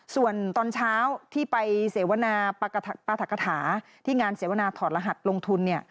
ส่วนตอนเช้าที่ไปเสวนาปรัฐกฐาที่งานเสวนาถอดรหัสลงทุน